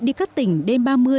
đi các tỉnh đêm ba mươi